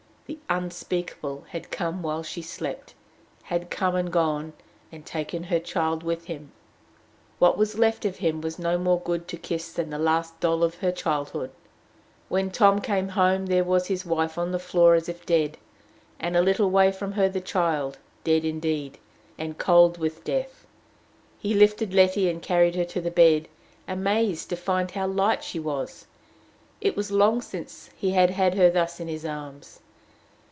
The Unspeakable had come while she slept had come and gone, and taken her child with him. What was left of him was no more good to kiss than the last doll of her childhood! When Tom came home, there was his wife on the floor as if dead, and a little way from her the child, dead indeed, and cold with death. He lifted Letty and carried her to the bed, amazed to find how light she was: it was long since he had had her thus in his arms.